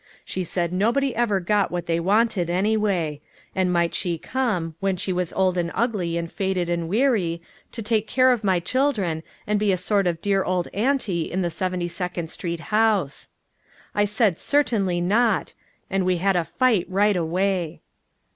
She said nobody ever got what they wanted, anyway; and might she come, when she was old and ugly and faded and weary, to take care of my children and be a sort of dear old aunty in the Seventy second Street house. I said certainly not, and we had a fight right away.